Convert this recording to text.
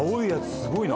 すごいな。